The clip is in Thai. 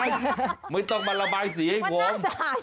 มันไม่ต้องมาระบายสีให้กวง